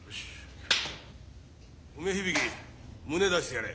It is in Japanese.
梅響胸出してやれ。